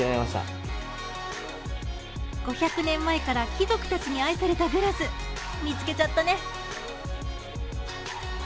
５００年前から貴族たちに愛されたグラス、見つけちゃったね。